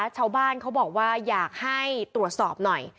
ชาวบ้านเขาบอกว่าอยากให้ตรวจสอบหน่อย